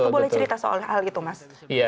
itu boleh cerita soal hal itu mas